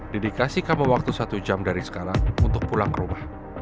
deddy kasih kamu waktu satu jam dari sekarang untuk pulang ke rumah